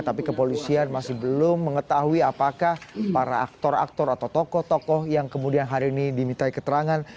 tapi kepolisian masih belum mengetahui apakah para aktor aktor atau tokoh tokoh yang kemudian hari ini dimintai keterangan